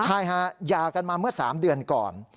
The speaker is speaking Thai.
ใช่ฮะหย่ากันมาเมื่อ๓เดือนก่อน